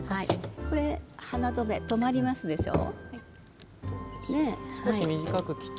花留め、留まりますでしょう。